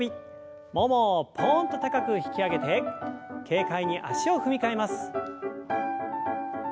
ももをポンと高く引き上げて軽快に足を踏み替えます。